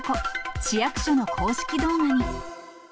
市役所の公式動画に。